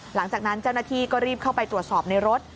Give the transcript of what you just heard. หลังจากนั้นเจ้าหน้าที่ก็รีบเข้าไปตรวจสอบในรถ